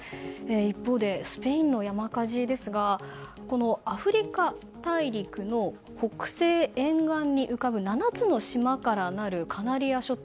一方で、スペインの山火事ですがアフリカ大陸の北西沿岸に浮かぶ７つの島からなるカナリア諸島。